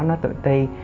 nó tự ti